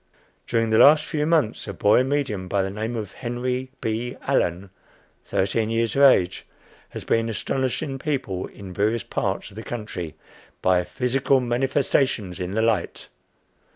During the last few months, a "boy medium," by the name of Henry B. Allen, thirteen years of age, has been astonishing people in various parts of the country by "Physical Manifestations in the Light."